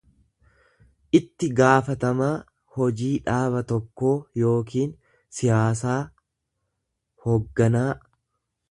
itti gaafatamaa hojii dhaaba tokkoo yookiin siyaasaa, hogganaa.